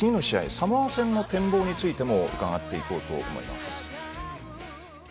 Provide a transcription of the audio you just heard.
サモア戦の展望についても伺っていこうと思います。